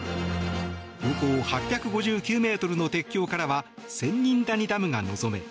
標高８５９ｍの鉄橋からは仙人谷ダムが望め